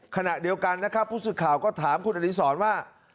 ขณะเดียวกันนะครับผู้สื่อข่าวก็ถามคุณอดีศรว่า